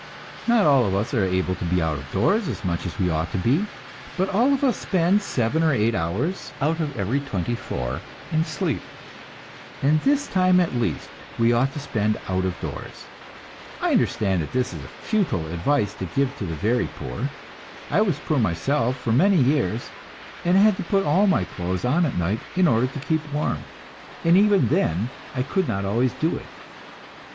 Not all of us are able to be out of doors as much as we ought to be, but all of us spend seven or eight hours out of every twenty four in sleep, and this time at least we ought to spend out of doors. I understand that this is futile advice to give to the very poor. I was poor myself for many years, and had to put all my clothes on at night in order to keep warm, and even then I could not always do it.